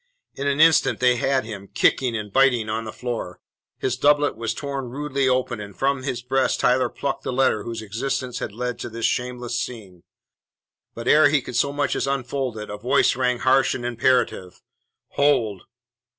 In an instant they had him, kicking and biting, on the floor; his doublet was torn rudely open, and from his breast Tyler plucked the letter whose existence had led to this shameless scene. But ere he could so much as unfold it, a voice rang harsh and imperative: "Hold!"